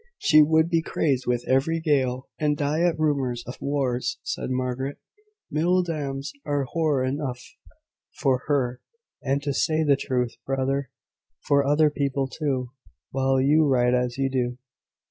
"She would be crazed with every gale, and die at `rumours of wars,'" said Margaret: "mill dams are horror enough for her and, to say the truth, brother, for other people, too, while you ride as you do."